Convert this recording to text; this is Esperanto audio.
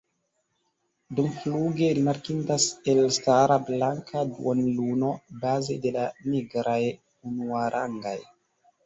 Dumfluge rimarkindas elstara blanka duonluno, baze de la nigraj unuarangaj.